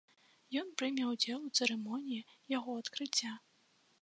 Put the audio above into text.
Ён прыме ўдзел у цырымоніі яго адкрыцця.